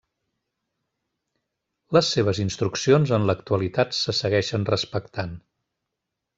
Les seves instruccions en l'actualitat se segueixen respectant.